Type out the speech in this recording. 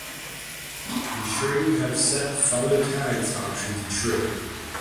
Ensure you have set follow tags option to true